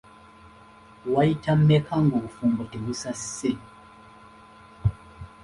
Wayita mmeka ng'obufumbo tebusasise?